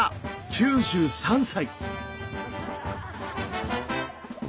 ９３歳！